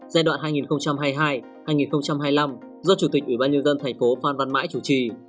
giai đoạn hai nghìn hai mươi hai hai nghìn hai mươi năm do chủ tịch ủy ban nhân dân thành phố phan văn mãi chủ trì